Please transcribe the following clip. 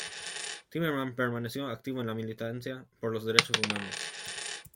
Timerman permaneció activo en la militancia por los derechos humanos.